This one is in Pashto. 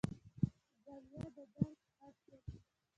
زاویه د درک حد ټاکي.